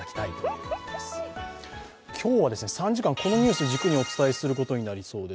今日は３時間、このニュースを軸にお伝えすることになりそうです。